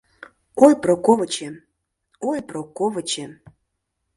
Ой, Проковычем, ой, Проковычем